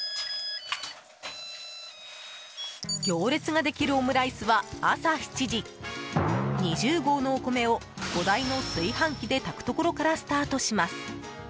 行列ができるオムライスは朝７時２０合のお米を５台の炊飯器で炊くところからスタートします。